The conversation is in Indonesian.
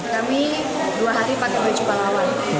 kami dua hari pakai baju pahlawan